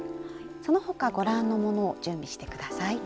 その他ご覧のものを準備して下さい。